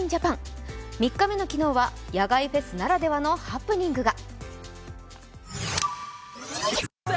３日目の昨日は野外フェスならではのハプニングが。